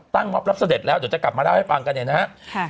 มอบรับเสด็จแล้วเดี๋ยวจะกลับมาเล่าให้ฟังกันเนี่ยนะครับ